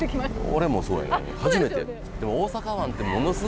俺もそうやねん初めて。